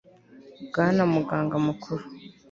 bwana muganga mukuru